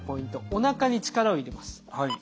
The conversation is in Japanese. おなかに力を入れます。